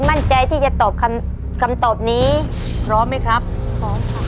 มั่นใจที่จะตอบคำคำตอบนี้พร้อมไหมครับพร้อมค่ะ